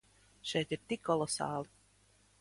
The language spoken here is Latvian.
Šeit ir tik kolosāli.